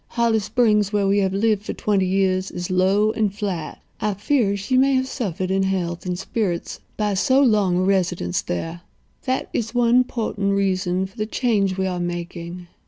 Holly Springs, where we have lived for twenty years, is low and flat. I fear that she may have suffered in health and spirits by so long a residence there. That is one portent reason for the change we are making.